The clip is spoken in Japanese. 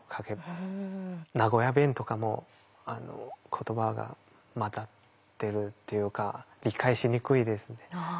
名古屋弁とかも言葉がまだ出るっていうか理解しにくいですね。